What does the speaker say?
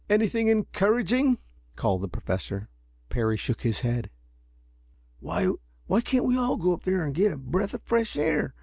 "Anything encouraging?" called the Professor. Parry shook his head. "Why can't we all go up there and get a breath of fresh air?